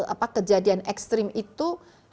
apa kejadian ekstrim itu